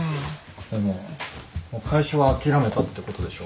でも会社は諦めたってことでしょ？